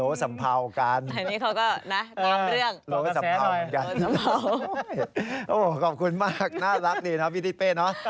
โอ้โหขอบคุณมากน่ารักดีนะพี่ทิเป้เนอะ